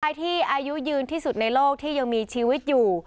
อายุยืนที่สุดในโลกที่ยังมีชีวิตอยู่